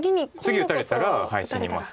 次打たれたら死にます。